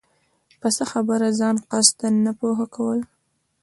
په څۀ خبره ځان قصداً نۀ پوهه كول